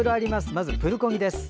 まずはプルコギです。